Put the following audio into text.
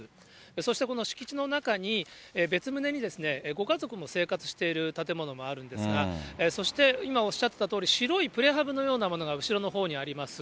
そしてこの敷地の中に、別棟にご家族も生活している建物もあるんですが、そして今、おっしゃってたように、白いプレハブのようなものが後ろのほうにあります。